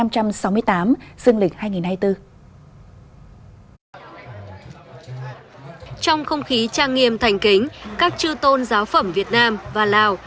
trong không khí trang nghiêm thành kính các chư tôn giáo phẩm việt nam và lào